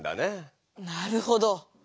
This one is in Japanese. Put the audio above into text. なるほど！